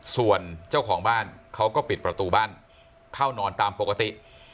ส่วนเจ้าของบ้านเขาก็ปิดประตูบ้านเข้านอนตามปกติ